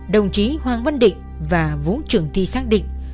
đồng chí hoàng văn định và vũ trường thi xác định